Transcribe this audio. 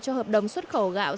cho hợp đồng xuất khẩu gạo